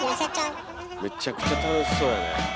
めっちゃくちゃ楽しそうやね。